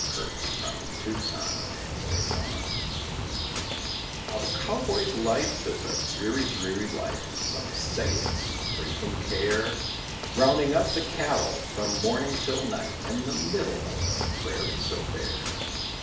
THE DREARY, DREARY LIFE A cowboy's life is a dreary, dreary life, Some say it's free from care; Rounding up the cattle from morning till night In the middle of the prairie so bare.